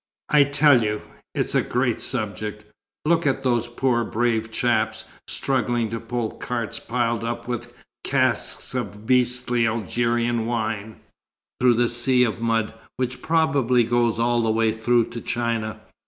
"I tell you, it's a great subject. Look at those poor brave chaps struggling to pull carts piled up with casks of beastly Algerian wine, through that sea of mud, which probably goes all the way through to China.